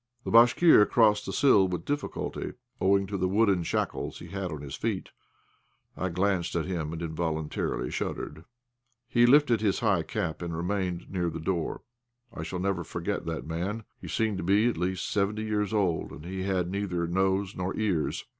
The Bashkir crossed the sill with difficulty, owing to the wooden shackles he had on his feet. I glanced at him and involuntarily shuddered. He lifted his high cap and remained near the door. I shall never forget that man; he seemed to be at least seventy years old, and he had neither nose nor ears.